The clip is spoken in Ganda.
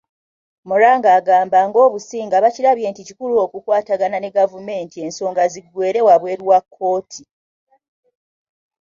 Muranga agamba ng'Obusinga bakirabye nti kikulu okukwatagana ne gavumenti ensonga ziggweere wabweru wa kkooti.